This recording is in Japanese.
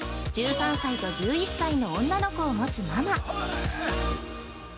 １３歳と１１歳の女の子を持つママ。